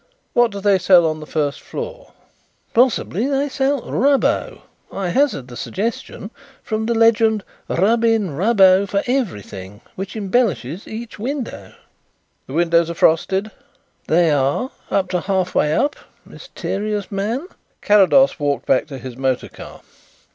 "What do they sell on the first floor?" "Possibly they sell 'Rubbo.' I hazard the suggestion from the legend 'Rub in Rubbo for Everything' which embellishes each window." "The windows are frosted?" "They are, to half way up, mysterious man." Carrados walked back to his motor car.